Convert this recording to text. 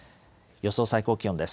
予想最高気温です。